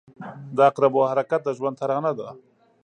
• د عقربو حرکت د ژوند ترانه ده.